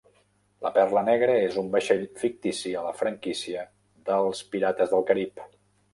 La Perla Negra és un vaixell fictici a la franquícia dels "Pirates del Carib".